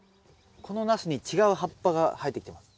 このナスに違う葉っぱが生えてきてます。